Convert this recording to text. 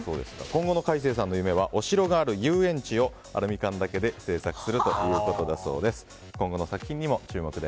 今後のカイセイさんの夢はお城がある遊園地をアルミ缶だけで制作することだそうです。